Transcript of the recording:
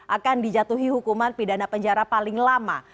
akan dijatuhi hukuman pidana penjara paling lama